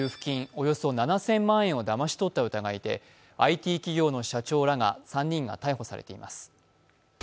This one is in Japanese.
およそ７０００万円をだまし取った疑いでＩＴ企業の社長ら３人が逮捕されています。